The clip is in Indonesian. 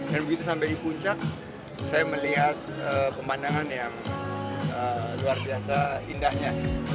dan begitu sampai di puncak saya melihat pemandangan yang luar biasa indahnya